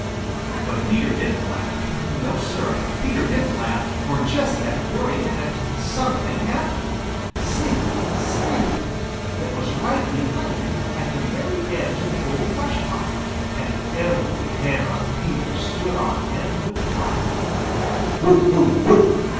But Peter didn't laugh. No, Sir, Peter didn't laugh, for just that very minute something happened. Sniff! Sniff! That was right behind him at the very edge of the old brush pile, and every hair on Peter stood on end with fright.